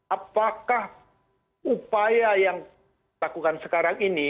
apakah upaya yang dilakukan sekarang ini